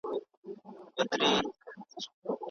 ادبیاتو پوهنځۍ بې اسنادو نه ثبت کیږي.